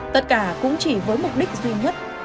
tất cả cũng chỉ với mục đích duy nhất